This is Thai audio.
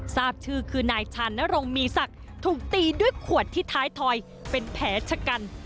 ทราบชื่อคือนายชานรงมีศักดิ์ถูกตีด้วยขวดที่ท้ายถอยเป็นแผลชะกัน